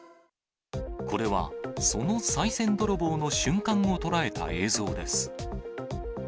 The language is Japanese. これはそのさい銭泥棒の瞬間を捉えた映像です。